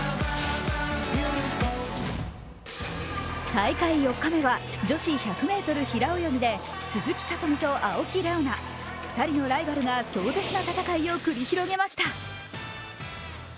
大会４日目は女子１００ｍ平泳ぎで鈴木聡美と青木玲緒樹、２人のライバルが壮絶な戦いを繰り広げました。